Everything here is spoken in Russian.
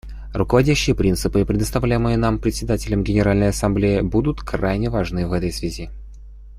Руководящие принципы, предоставляемые нам Председателем Генеральной Ассамблеи, будут крайне важны в этой связи.